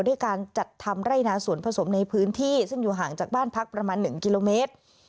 ด้วยการจัดทำไร่นาสวนผสมในพื้นที่ซึ่งอยู่ห่างจากบ้านพักประมาณ๑กิโลเมตร